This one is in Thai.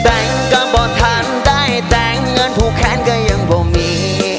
แต่งก็บ่ทันได้แต่เงินผูกแขนก็ยังบ่มี